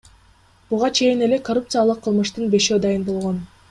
Буга чейин эле коррупциялык кылмыштын бешөө дайын болгон.